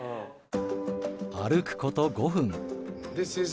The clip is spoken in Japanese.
歩くこと５分。